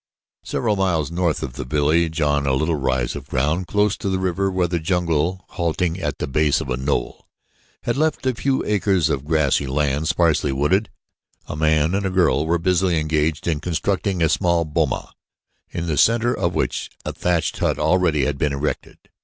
Several miles north of the village on a little rise of ground close to the river where the jungle, halting at the base of a knoll, had left a few acres of grassy land sparsely wooded, a man and a girl were busily engaged in constructing a small boma, in the center of which a thatched hut already had been erected.